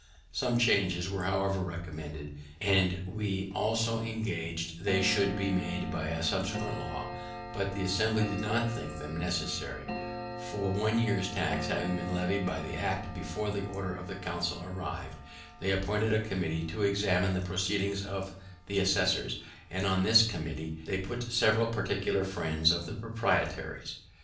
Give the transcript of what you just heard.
Some changes were however recommended and we also engaged they should be made by a subsequent law, but the Assembly did not think them necessary; for one year's tax having been levied by the act before the order of Council arrived, they appointed a committee to examine the proceedings of the assessors, and on this committee they put several particular friends of the proprietaries.